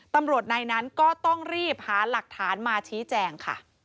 ตำรวจในนั้นก็ต้องรีบหาหลักฐานมาชี้แจงค่ะ